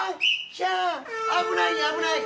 ひゃあ危ない危ない。